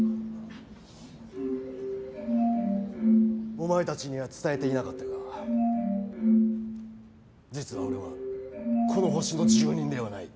お前たちには伝えていなかったが実は俺はこの星の住人ではない。